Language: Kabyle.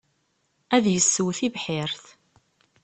Ad yessew tibḥirt.